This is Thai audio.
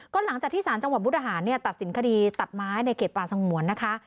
ก็หลังจากที่สารจังหวัดมุทหารตัดสินคดีตัดไม้ในเขตป่าสงวนนะคะ